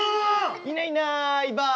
いないいないばあ。